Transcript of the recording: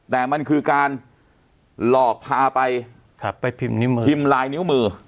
แต่มันคือการหลอกพาไปไปพิมพ์นิ้วมือพิมพ์ลายนิ้วมือ